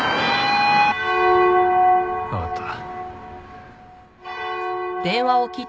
わかった。